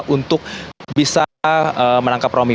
untuk bisa menangkap romi